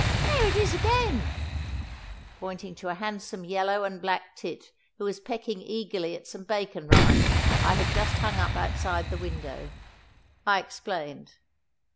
There it is again"—pointing to a handsome yellow and black tit who was pecking eagerly at some bacon rind I had just hung up outside the window. I explained.